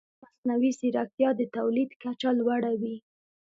مصنوعي ځیرکتیا د تولید کچه لوړه وي.